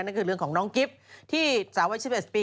นั่นคือเรื่องของน้องกิฟต์ที่สาววัย๑๑ปี